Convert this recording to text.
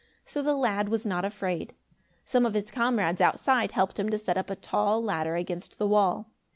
So the lad was not afraid. Some of his comrades outside helped him to set up a tall ladder against the wall.